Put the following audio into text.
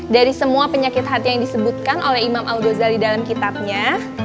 dari semua penyakit hati yang disebutkan oleh imam al ghazali dalam kitabnya